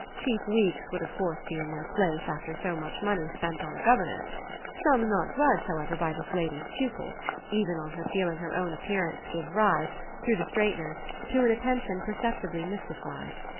Cheap weeks would of course be in their place after so much money spent on a governess; sums not grudged, however, by this lady's pupil, even on her feeling her own appearance give rise, through the straighteners, to an attention perceptibly mystified.